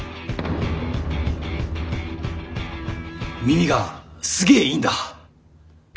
耳がすげえいいんだ。